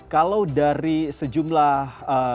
kalau dari sejumlah ganda